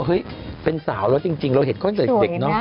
เฮ้ยเป็นสาวแล้วจริงเราเห็นเขาตั้งแต่เด็กเนอะ